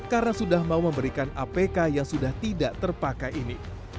karena sudah mau memberikan apk yang sudah tidak terpakai ini